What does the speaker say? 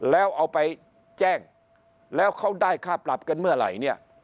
แล้วเอาไปแจ้งแล้วเขาได้ค่าปรับกันเมื่อไหร่เนี่ย